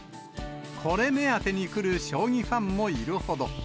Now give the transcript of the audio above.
これ目当てに来る将棋ファンもいるほど。